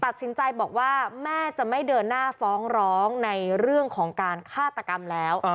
ตัดสินใจบอกว่าแม่จะไม่เดินหน้าฟ้องร้องในเรื่องของการฆาตกรรมแล้ว